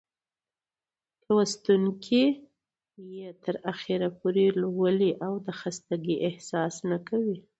لوستونکى يې تر اخره پورې لولي او د خستګۍ احساس نه کوي.